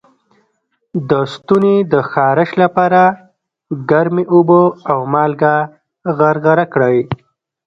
د ستوني د خارش لپاره ګرمې اوبه او مالګه غرغره کړئ